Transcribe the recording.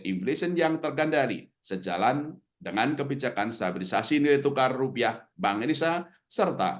inflation yang tergandari sejalan dengan kebijakan stabilisasi nilai tukar rupiah bank indonesia serta